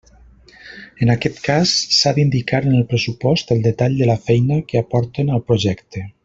En aquest cas, s'ha d'indicar en el pressupost el detall de la feina que aporten al projecte.